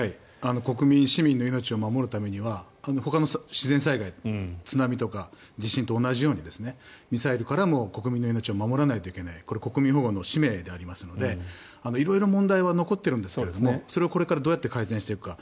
国民、市民の命を守るためにはほかの自然災害津波とか地震と同じようにミサイルからも国民の命を守らないといけないこれ、国民保護の使命でありますので色々問題は残ってるんですがそれをこれからどう改善していくか。